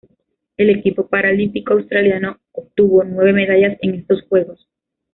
El equipo paralímpico australiano obtuvo nueve medallas en estos Juegos.